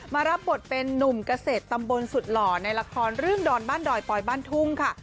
รับบทเป็นนุ่มเกษตรตำบลสุดหล่อในละครเรื่องดอนบ้านดอยปอยบ้านทุ่งค่ะ